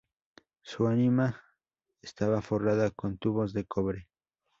Su ánima estaba forrada con tubos de cobre.